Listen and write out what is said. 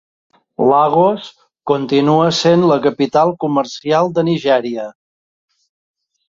Lagos continua sent la capital comercial de Nigèria.